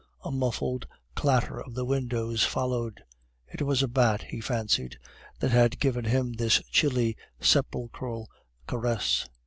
A muffled clatter of the windows followed; it was a bat, he fancied, that had given him this chilly sepulchral caress.